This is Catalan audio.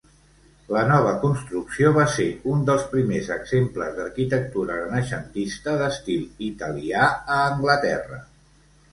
La nova construcció va ser un dels primers exemples d'arquitectura renaixentista d'estil italià a Anglaterra.